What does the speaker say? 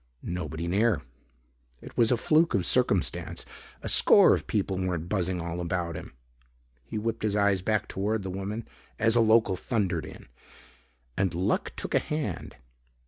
Nobody near. It was a fluke of circumstance a score of people weren't buzzing all about him. He whipped his eyes back toward the woman as a local thundered in. And Luck took a hand.